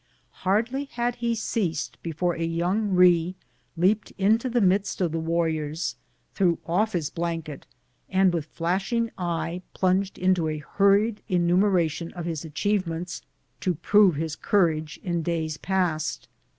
Hardly had he ceased, before a young Eee leaped into the midst of the warriors, threw off his blanket, and with flashing eye plunged into a hurried enumeration 136 BOOTS AND SADDLES. of his achievements, to prove his courage in days past.